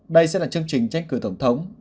đây sẽ là chương trình tranh cử tổng thống